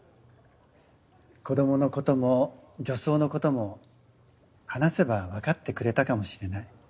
子供のことも女装のことも話せば分かってくれたかもしれない。